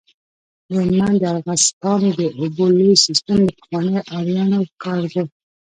د هلمند د ارغستان د اوبو لوی سیستم د پخوانیو آرینو کار دی